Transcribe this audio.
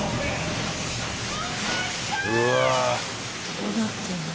どうなってるの？